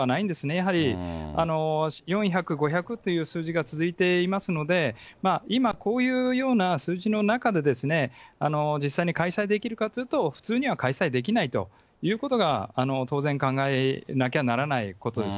やはり、４００、５００という数字が続いていますので、今、こういうような数字の中でですね、実際に開催できるかというと、普通には開催できないということが当然、考えなきゃならないことです。